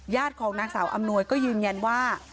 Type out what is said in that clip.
ของนางสาวอำนวยก็ยืนยันว่า